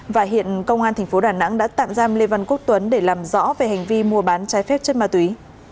và hiện công an tp đà nẵng đã tạm giam lê văn quốc tuấn để làm rõ về hành vi mua bán trái phép chất ma túy